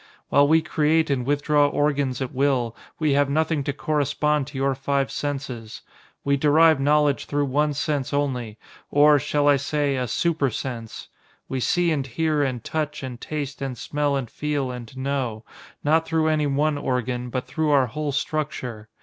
"While we create and withdraw organs at will, we have nothing to correspond to your five senses. We derive knowledge through one sense only, or, shall I say, a super sense? We see and hear and touch and taste and smell and feel and know, not through any one organ, but through our whole structure.